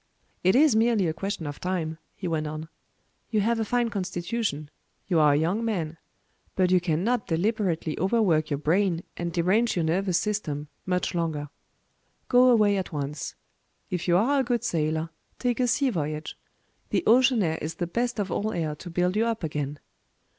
"It is merely a question of time," he went on. "You have a fine constitution; you are a young man; but you cannot deliberately overwork your brain, and derange your nervous system, much longer. Go away at once. If you are a good sailor, take a sea voyage. The ocean air is the best of all air to build you up again.